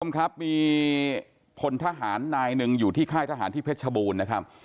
คุณผู้ชมครับมีพลทหารนายหนึ่งอยู่ที่ค่ายทหารที่เพชรชบูรณ์นะครับ